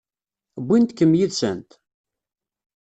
Wwint-kem yid-sent?